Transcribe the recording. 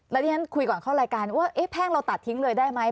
แล้วที่ฉันคุยก่อนเข้ารายการว่าแพ่งเราตัดทิ้งเลยได้ไหม